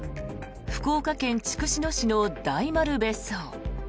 福岡県筑紫野市の大丸別荘。